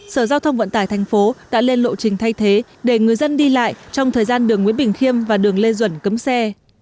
sở giao thông vận tải thành phố đã lên lộ trình thay thế để người dân đi lại trong thời gian đường nguyễn bình khiêm và đường lê duẩn cấm xe